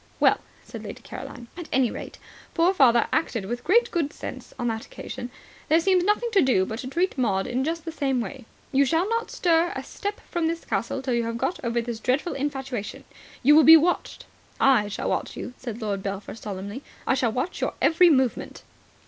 "Well," said Lady Caroline, "at any rate poor father acted with great good sense on that occasion. There seems nothing to do but to treat Maud in just the same way. You shall not stir a step from the castle till you have got over this dreadful infatuation. You will be watched." "I shall watch you," said Lord Belpher solemnly, "I shall watch your every movement."